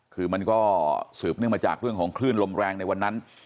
คือมันก็สืบเนื่องมาจากเรื่องของคลื่นลมแรงในวันนั้น